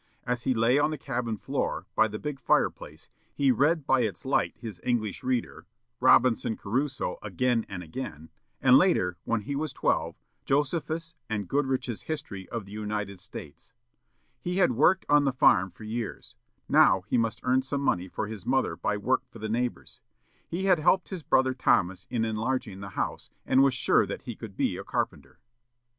As he lay on the cabin floor, by the big fireplace, he read by its light his "English Reader," "Robinson Crusoe" again and again, and, later, when he was twelve, "Josephus," and "Goodrich's History of the United States." He had worked on the farm for years; now he must earn some money for his mother by work for the neighbors. He had helped his brother Thomas in enlarging the house, and was sure that he could be a carpenter.